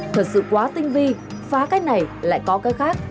thật sự quá tinh vi phá cách này lại có cái khác